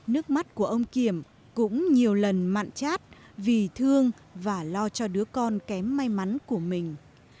nước mắt của ông kiểm cũng nhiều lần mặn chát vì thương và lo cho đứa con kém may mắn của mình